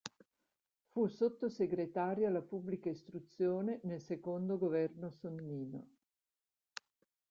Fu sottosegretario alla pubblica istruzione nel secondo governo Sonnino.